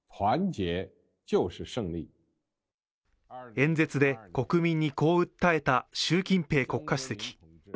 演説で国民にこう訴えた習近平国家主席。